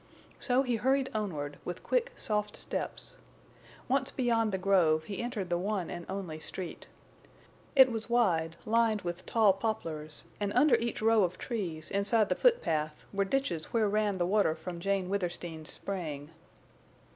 So he hurried onward, with quick soft steps. Once beyond the grove he entered the one and only street. It was wide, lined with tall poplars, and under each row of trees, inside the foot path, were ditches where ran the water from Jane Withersteen's spring.